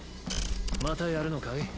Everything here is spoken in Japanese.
またやるのかい？